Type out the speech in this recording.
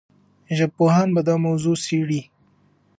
ژبپوهان به دا موضوع څېړي.